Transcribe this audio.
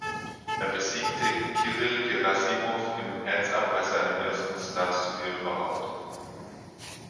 Er besiegte Kirill Gerassimow im "Heads-Up" bei seinem ersten "Stud"-Turnier überhaupt.